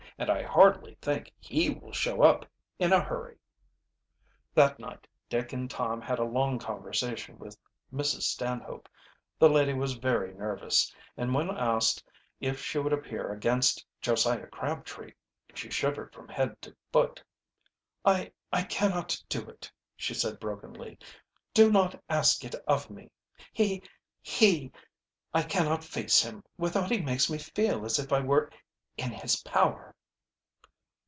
"And I hardly think he will show up in a hurry." That night Dick and Tom had a long conversation with Mrs. Stanhope. The lady was very nervous, and when asked if she would appear against Josiah Crabtree she shivered from head to foot. "I I cannot do it," she said brokenly. "Do not ask it of me! He he I cannot face him without he makes me feel as if I were in his power."